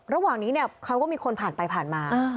ระหว่างนี้เนี่ยเขาก็มีคนผ่านไปผ่านมา